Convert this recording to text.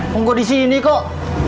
kok gue di sini kok